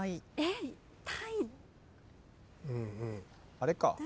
あれか。